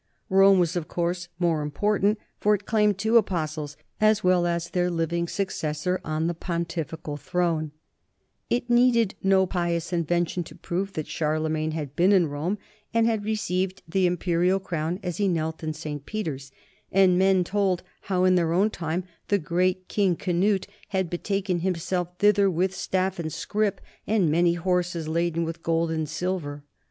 Rome was of course more important, for it claimed two apostles, as well as their living successor on the pontifical throne. 194 NORMANS IN EUROPEAN HISTORY It needed no pious invention to prove that Charlemagne had been in Rome and had received the imperial crown as he knelt in St. Peter's, and men told how in their own time the great king Canute had betaken himself thither with staff and scrip and many horses laden with gold and silver.